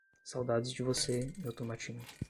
Saudades de você, meu tomatinho